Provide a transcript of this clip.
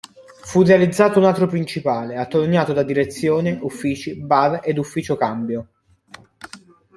Fu realizzato un atrio principale, attorniato da direzione, uffici, bar ed ufficio cambio.